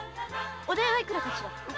お代は幾らかしら？